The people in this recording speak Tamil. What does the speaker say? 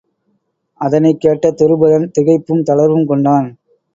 அதனைக்கேட்ட துருபதன் திகைப்பும் தளர்வும் கொண்டான்.